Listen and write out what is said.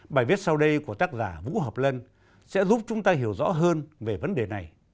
bài viết sau đây của tác giả vũ hợp lân sẽ giúp chúng ta hiểu rõ hơn về vấn đề này